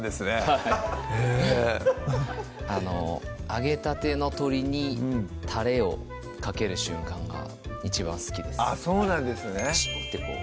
はいへぇ揚げたての鶏にたれをかける瞬間が一番好きですそうなんですね